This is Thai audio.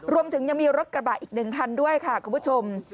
รวมถึงยังมีรถกระบะอีก๑คันด้วยค่ะคุณผู้ชม